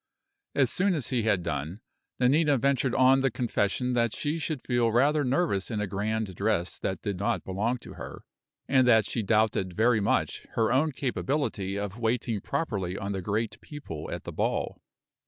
As soon as he had done, Nanina ventured on the confession that she should feel rather nervous in a grand dress that did not belong to her, and that she doubted very much her own capability of waiting properly on the great people at the ball.